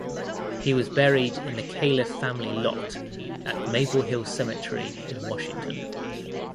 He was buried in the Calef family lot at Maple Hill Cemetery in Washington.